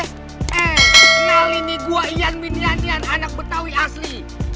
eh kenalin nih gue ian bin yanyan anak betawi asli